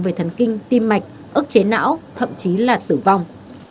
về thần kinh tim mạch ức chế não thậm chí là tử vong